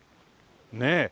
ねえ。